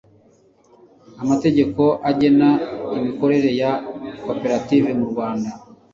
amategeko agena imikorere ya koperative mu rwanda